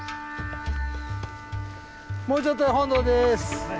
もうちょっとで本堂です。